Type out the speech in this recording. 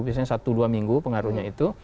biasanya satu dua minggu pengaruhnya itu